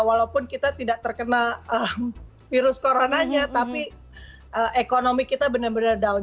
walaupun kita tidak terkena virus coronanya tapi ekonomi kita benar benar down